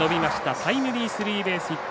タイムリースリーベースヒット。